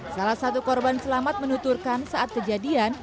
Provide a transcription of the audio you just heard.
salah satu korban selamat menuturkan saat kejadian